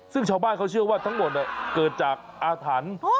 ซึ่งชาวบ้านเขาเชื่อว่าทั้งหมดเกิดจากอาถรรพ์